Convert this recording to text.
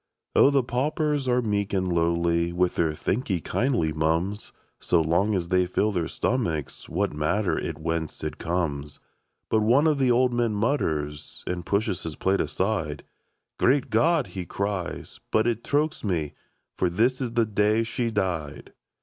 Oh, the paupers are meek and lowly With their " Thank 'ee kindly, mum's"; So long as they fill their stomachs, What matter it whence it comes ? But one of the old men mutters, And pushes his plate aside :" Great God !'* he cries ;" but it chokes me ! For this is the day she died."